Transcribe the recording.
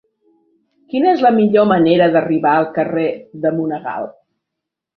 Quina és la millor manera d'arribar al carrer de Monegal?